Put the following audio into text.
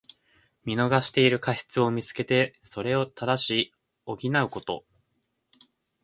見逃している過失をみつけて、それを正し補うこと。